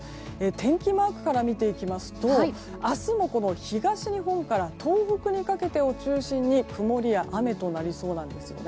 天気マークから見ていきますと明日も東日本から東北にかけてを中心に曇りや雨となりそうなんです。